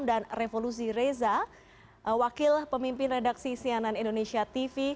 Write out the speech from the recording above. dan revolusi reza wakil pemimpin redaksi sianan indonesia tv